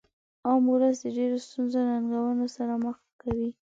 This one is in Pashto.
عام ولس د ډیرو سترو ننګونو سره مخ کوي.